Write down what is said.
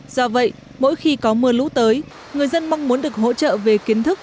do vậy mỗi khi có mưa lũ tới người dân mong muốn được hỗ trợ về kiến thức